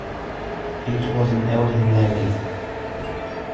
It was an elderly lady.